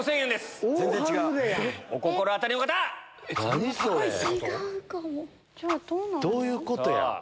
何それ⁉どういうことや？